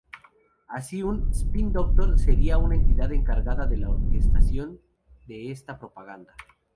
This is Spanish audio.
Así un ""Spin Doctor"" sería una entidad encargada de la orquestación de esta propaganda.